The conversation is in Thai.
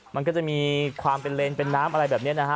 มันก็จะมีความเป็นเลนเป็นน้ำอะไรแบบนี้นะฮะ